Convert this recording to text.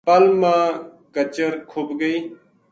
پل ما کچر کھُب گئی